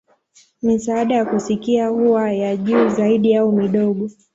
Misaada ya kusikia huwa ya juu zaidi au midogo.